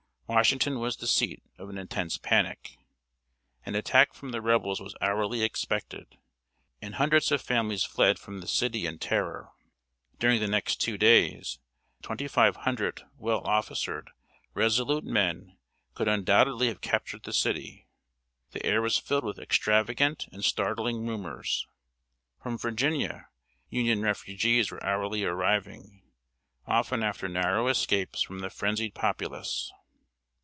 Washington was the seat of an intense panic. An attack from the Rebels was hourly expected, and hundreds of families fled from the city in terror. During the next two days, twenty five hundred well officered, resolute men could undoubtedly have captured the city. The air was filled with extravagant and startling rumors. From Virginia, Union refugees were hourly arriving, often after narrow escapes from the frenzied populace.